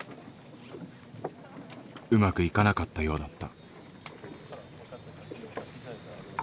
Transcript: うまくいかなかったようだった。